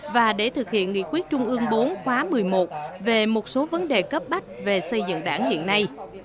và để thực hiện nghị quyết trung ương bốn khóa một mươi một về một số vấn đề cấp bách về xây dựng đảng hiện nay